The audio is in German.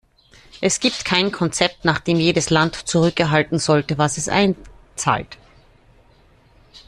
Es gibt kein Konzept, nach dem jedes Land zurückerhalten sollte, was es einzahlt.